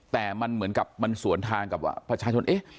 แต่มันเหมือนกับมันสวนทางกับประชาชนเอ๊ะ